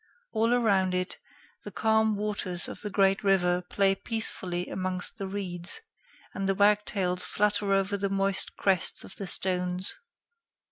All around it, the calm waters of the great river play peacefully amongst the reeds, and the wagtails flutter over the moist crests of the stones.